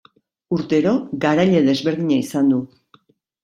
Urtero garaile desberdina izan du.